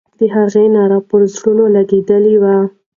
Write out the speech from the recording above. د هغې ناره به پر زړونو لګېدلې وي.